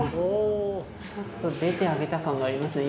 ちょっと出てあげた感がありますね。